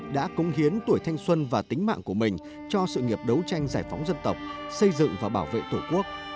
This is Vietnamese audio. đã cống hiến tuổi thanh xuân và tính mạng của mình cho sự nghiệp đấu tranh giải phóng dân tộc xây dựng và bảo vệ tổ quốc